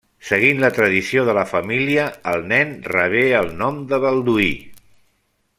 Seguint la tradició de la família, el nen rebé el nom de Balduí.